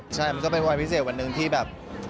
ใช่มันก็เป็นวันพิเศษวันหนึ่งที่แบบ